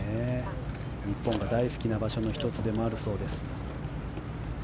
日本が大好きな場所の１つでもあるそうです。